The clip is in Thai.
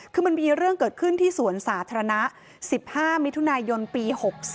คือมันมีเรื่องเกิดขึ้นที่สวนสาธารณะ๑๕มิถุนายนปี๖๔